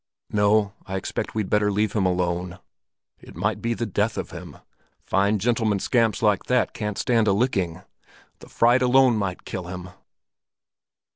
"No, I expect we'd better leave him alone. It might be the death of him; fine gentlemen scamps like that can't stand a licking. The fright alone might kill him."